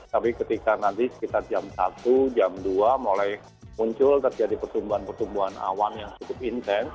tapi ketika nanti sekitar jam satu jam dua mulai muncul terjadi pertumbuhan pertumbuhan awan yang cukup intens